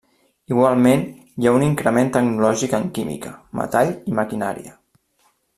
Igualment, hi ha un increment tecnològic en química, metall i maquinària.